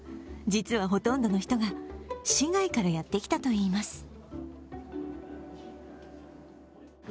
実はほとんどの人が市外からやってきたといいます。